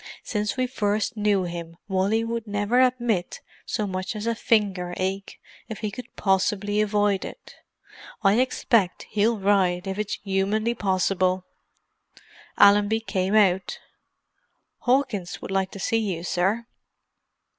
"Since we first knew him Wally would never admit so much as a finger ache if he could possibly avoid it. I expect he'll ride if it's humanly possible!" Allenby came out. "Hawkins would like to see you, sir."